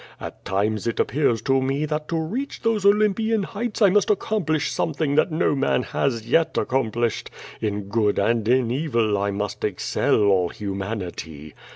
At times it appears to me that to reach those Olympian heights I must accomplish something that no man has yet accomplished; in good and in evil I must excel all humanity.